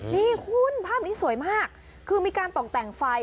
นี่คุณภาพนี้สวยมากคือมีการตกแต่งไฟ